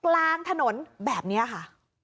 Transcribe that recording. กลางถนนแบบนี้ค่ะ